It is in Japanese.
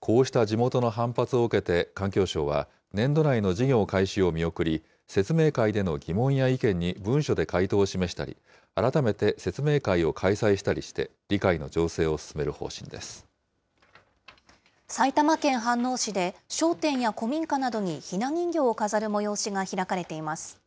こうした地元の反発を受けて環境省は、年度内の事業開始を見送り、説明会での疑問や意見に文書で回答を示したり、改めて説明会を開催したりして、埼玉県飯能市で、商店や古民家などにひな人形を飾る催しが開かれています。